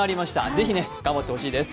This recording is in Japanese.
ぜひ頑張ってほしいです。